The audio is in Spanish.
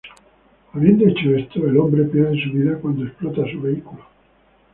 Habiendo hecho esto, El hombre pierde su vida cuando explota su vehículo.